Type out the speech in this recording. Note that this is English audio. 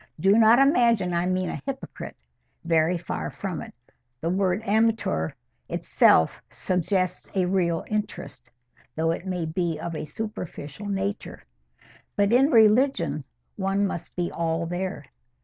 Do not imagine I mean a hypocrite. Very far from it. The word amateur itself suggests a real interest, though it may be of a superficial nature. But in religion one must be all there.